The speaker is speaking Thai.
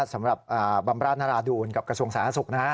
สำหรับบำราชนราดูลกับกระทรวงสาธารณสุขนะฮะ